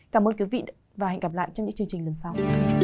cảm ơn quý vị và hẹn gặp lại trong những chương trình lần sau